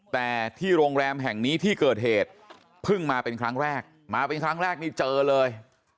แต่ที่โรงแรมแห่งนี้ที่เกิดเหตุเพิ่งมาเป็นครั้งแรกมาเป็นครั้งแรกนี่เจอเลย